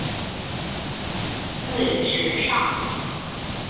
字子上。